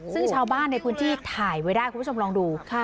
ซึ่งชาวบ้านในพื้นที่ถ่ายไว้ได้คุณผู้ชมลองดู